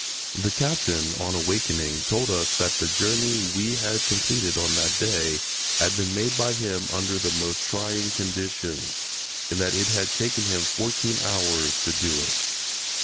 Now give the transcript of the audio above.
The Captain, on awakening, told us that the journey we had completed on that day had been made by him under the most trying conditions, and that it had taken him fourteen hours to do it.